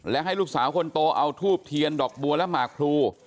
และให้ลูกสาวคนโตเอาทูบเทียนดอกบัวและหมากพลู